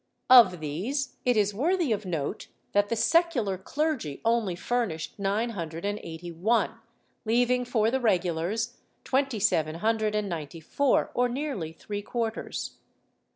Of these, it is worthy of note that the secular clergy only furnished nine hundred and eighty one, leaving for the regulars twenty seven hundred and ninety four, or nearly three quarters.